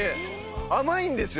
甘いんですよ。